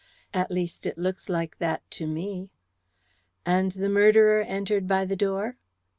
At least it looks like that to me." "And the murderer entered by the door?"